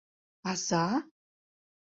Аза?